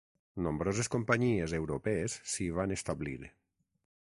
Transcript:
Nombroses companyies europees s'hi van establir.